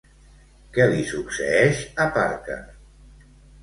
Què li succeeix a Parker?